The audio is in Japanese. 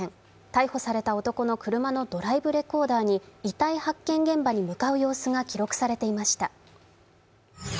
逮捕された男の車のドライブレコーダーに遺体発見現場に向かう様子が記録されていました。